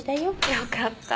よかった。